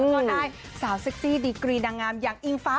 ก็ได้สาวเซ็กซี่ดีกรีนางงามอย่างอิงฟ้า